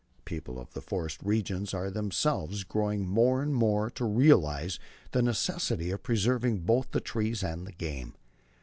The people of the forest regions are themselves growing more and more to realize the necessity of preserving both the trees and the game.